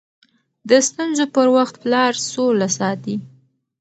د ستونزو پر وخت پلار سوله ساتي.